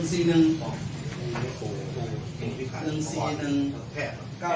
กล้องไม่ได้ครับ